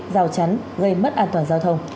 giao chắn gây mất an toàn giao thông